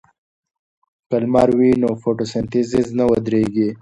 که لمر وي نو فوتوسنتیز نه ودریږي.